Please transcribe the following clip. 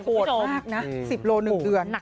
โคตรมากนะ๑๐กิโลเงิน